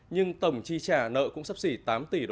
nhưng tổng chi trả nợ cũng sắp xỉ tám tỷ đồng